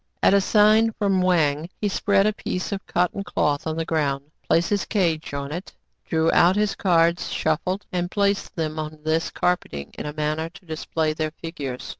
33 At a sign from Wang, he spread a piece of cot ton cloth on the ground, placed his cage on it, drew out his cards, shuffled, and placed them on this carpeting in a manner to display their figures.